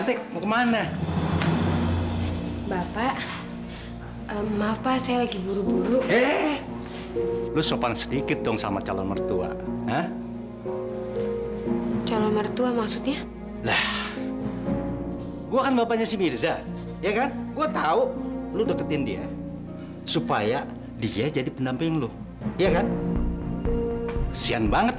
tadi belum sempat menutup semua kesalahan kesalahan